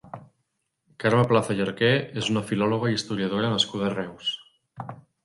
Carme Plaza i Arqué és una filòloga i historiadora nascuda a Reus.